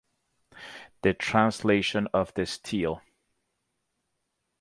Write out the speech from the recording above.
The translation of the stele.